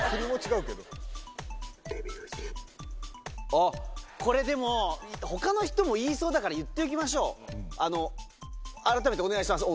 あっこれでも他の人も言いそうだから言っておきましょうあらためてお願いします